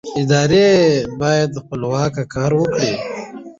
ادارې باید خپلواکه کار وکړي